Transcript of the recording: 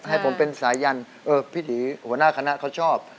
ให้ผมเป็นสายันพี่ดีหัวหน้าคณะเขาชอบ